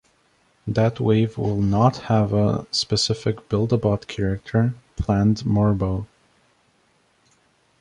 That wave will not have a specific Build A Bot character, planned Morbo.